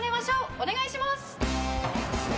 お願いします！